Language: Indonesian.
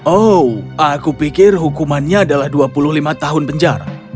oh aku pikir hukumannya adalah dua puluh lima tahun penjara